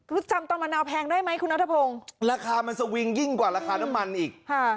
รู้จักตอนมะนาวแพงได้ไหมคุณนัฐพงศ์ราคามันซวิงกว่าราคาน้ำมันอีกฮะ